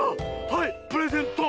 はいプレゼント！